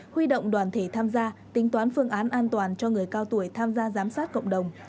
huy động đoàn thể tham gia tính toán phương án an toàn cho người cao tuổi tham gia giám sát cộng đồng